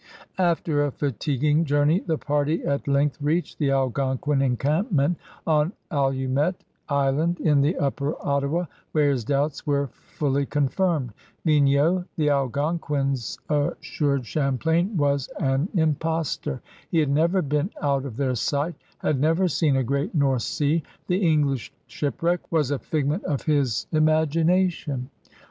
After a fatiguing journey the party at length reached the Algonquin encampment on Allumette THE FOUNDING OP NEW FRANCE 45 Isiaiid in the upper Ottawa, where his doubts were fuUy oonfinned. *^^gnau, the Algonquins assured Champlain, was an impostor; he had never been out of their sight, had never seen a Great North Sea; the English shipwreck was a figment of his imagination.